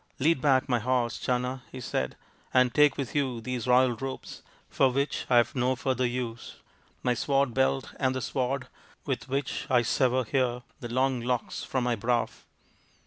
" Lead back my horse, Channa," he said, " and take with you these royal robes, for which I have no further use, my sword belt and the sword with which I sever here the long locks from my brow.